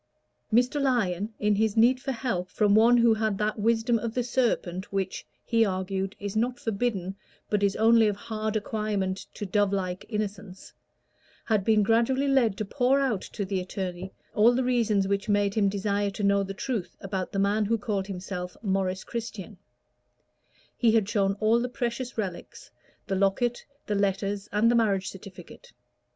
Mr. Lyon, in his need for help from one who had that wisdom of the serpent which, he argued, is not forbidden, but is only of hard acquirement to dovelike innocence, had been gradually led to pour out to the attorney all the reasons which made him desire to know the truth about the man who called himself Maurice Christian: he had shown all the precious relics, the locket, the letters, and the marriage certificate.